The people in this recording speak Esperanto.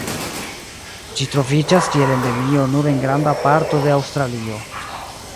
Ĝi troviĝas kiel Endemio nur en granda parto de Aŭstralio.